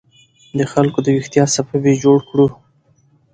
د خلکو د ویښتیا سبب یې جوړ کړو.